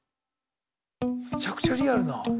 むちゃくちゃリアルな。